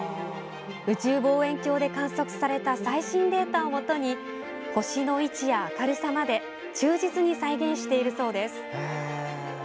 宇宙望遠鏡で観測された最新データをもとに星の位置や明るさまで忠実に再現しているそうです。